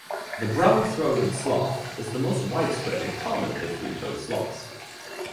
The brown-throated sloth is the most widespread and common of the three-toed sloths.